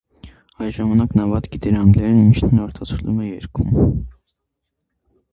Այդ ժամանակ նա վատ գիտեր անգլերեն, ինչն էլ արտացոլվել է երգում։